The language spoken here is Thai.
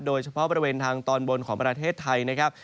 โดยเฉพาะบริเวณทางตอนบนของประเทศไทยนะครับ